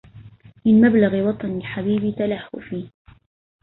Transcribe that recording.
من مبلغ وطني الحبيب تلهفي